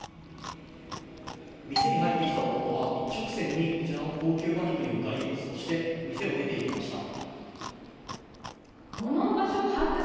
店に入ってきた男は一直線に高級馬肉に向かいそして店を出て行きました。